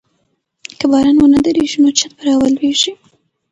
که باران ونه دريږي نو چت به راولوېږي.